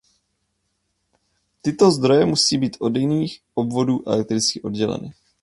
Tyto zdroje musí být od jiných obvodů elektricky odděleny.